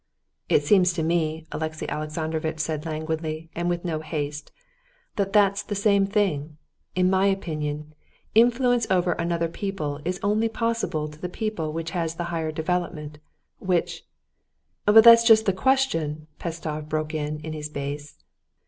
"It seems to me," Alexey Alexandrovitch said languidly, and with no haste, "that that's the same thing. In my opinion, influence over another people is only possible to the people which has the higher development, which...." "But that's just the question," Pestsov broke in in his bass.